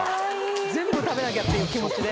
全部食べなきゃていう気持ちで。